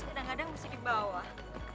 kadang kadang mesti di bawah